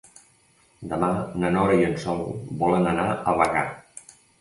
Demà na Nora i en Sol volen anar a Bagà.